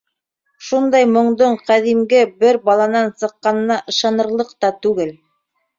Шундайын моңдоң ҡәҙимге бер баланан сыҡҡанына ышанырлыҡ та түгел.